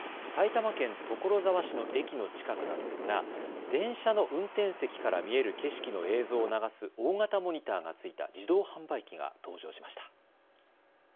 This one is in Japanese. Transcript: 埼玉県所沢市の駅の近くなんですが電車の運転席から見える景色の映像を流す大型モニターがついた自動販売機が登場しました。